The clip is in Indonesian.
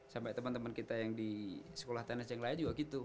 sampai teman teman kita yang di sekolah tenis yang lain juga gitu